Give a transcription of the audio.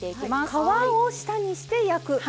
皮を下にして焼く。